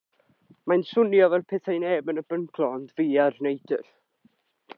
Mae'n swnio fel petai neb yn y byngalo ond fi a'r neidr.